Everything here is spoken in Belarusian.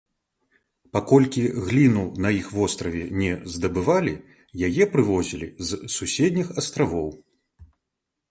Паколькі гліну на іх востраве не здабывалі, яе прывозілі з суседніх астравоў.